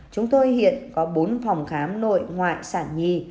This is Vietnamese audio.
chúng tôi hiện có bốn phòng khám nội ngoại sản nhi